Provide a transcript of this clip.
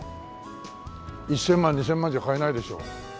１０００万２０００万じゃ買えないでしょ。